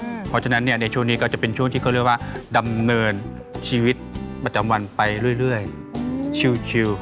เพราะฉะนั้นในช่วงนี้ก็จะเป็นช่วงที่เขาเรียกว่าดำเนินชีวิตประจำวันไปเรื่อยชิว